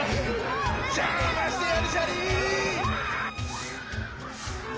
じゃましてやるシャリ！